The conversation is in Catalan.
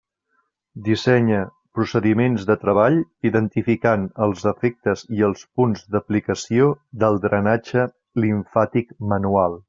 Dissenya procediments de treball identificant els efectes i els punts d'aplicació del drenatge limfàtic manual.